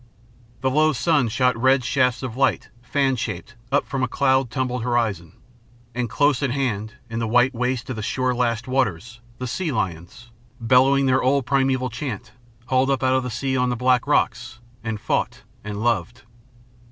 The low sun shot red shafts of light, fan shaped, up from a cloud tumbled horizon. And close at hand, in the white waste of shore lashed waters, the sea lions, bellowing their old primeval chant, hauled up out of the sea on the black rocks and fought and loved.